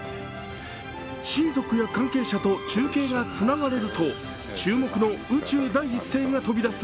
親族や関係者と中継がつながれると注目の宇宙第一声が飛び出す。